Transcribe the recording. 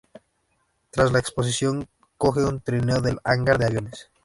Tras la explosión, coge un trineo del Hangar de Aviones.